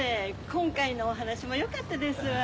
今回のお話も良かったですわ。